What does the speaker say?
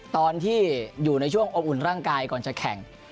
ตอนที่อยู่ในช่วงอบอุ่นร่างกายก่อนจะแข่ง